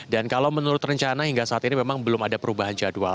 dan kalau menurut rencana hingga saat ini memang belum ada perubahan jadwal